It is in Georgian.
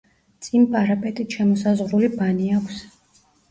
წინ პარაპეტით შემოსაზღვრული ბანი აქვს.